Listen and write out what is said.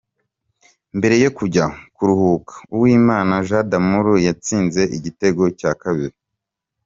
Mbere yo kujya kuruhuka, Uwimana Jean d’Amour yatsinze igitego cya kabiri.